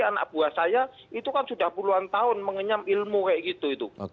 anak buah saya itu kan sudah puluhan tahun mengenyam ilmu kayak gitu itu